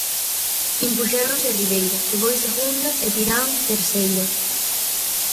Impuxéronse a Riveira, que foi segunda e Tirán, terceira.